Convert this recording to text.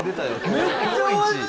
めっちゃおいしい！